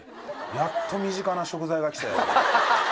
やっと身近な食材が来たよ。